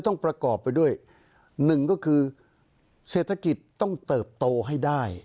ประกอบไปด้วยหนึ่งก็คือเศรษฐกิจต้องเติบโตให้ได้